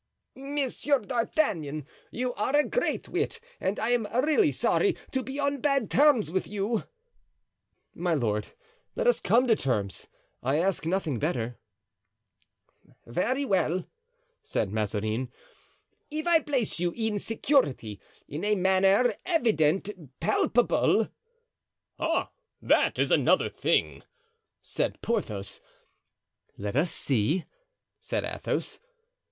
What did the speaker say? "Monsieur d'Artagnan, you are a great wit and I am really sorry to be on bad terms with you." "My lord, let us come to terms; I ask nothing better." "Very well," said Mazarin, "if I place you in security, in a manner evident, palpable——" "Ah! that is another thing," said Porthos. "Let us see," said Athos.